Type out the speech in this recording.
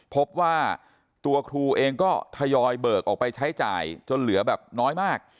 พบว่าตัวครูเองก็ทยอยเบิกออกไปใช้จ่ายจนเหลือแบบน้อยมาก